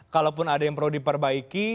kalaupun ada yang perlu diperbaiki